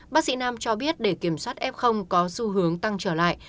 bác sĩ nam cho biết để kiểm soát f có xu hướng tăng trở lại